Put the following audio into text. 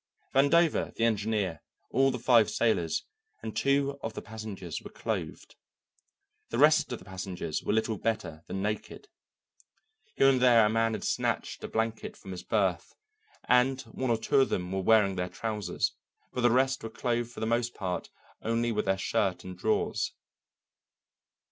Vandover, the engineer, all the five sailors, and two of the passengers were clothed. The rest of the passengers were little better than naked. Here and there a man had snatched a blanket from his berth, and one or two of them were wearing their trousers, but the rest were clothed for the most part only with their shirts and drawers.